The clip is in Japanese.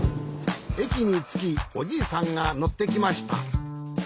えきにつきおじいさんがのってきました。